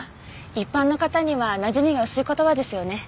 一般の方にはなじみが薄い言葉ですよね。